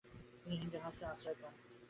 তিনি ইন্ডিয়া হাউসে আশ্রয় পান।